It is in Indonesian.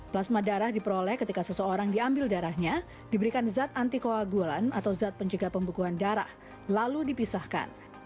plasma darah diperoleh ketika seseorang diambil darahnya diberikan zat antikoagulan atau zat penjaga pembukuan darah lalu dipisahkan